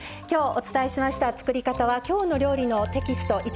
きょうお伝えしました作り方は「きょうの料理」のテキスト